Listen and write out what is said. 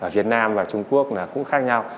việt nam và trung quốc là cũng khác nhau